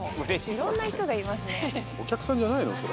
いろんな人がいますね。